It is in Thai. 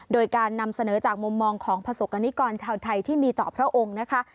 โดยการนำเสนอจากมุมมองของประสบกรณิกรชาวไทยที่มีต่อพระองค์นะคะ